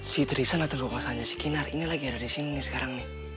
si tristan atau kawasannya si kinar ini lagi ada di sini nih sekarang nih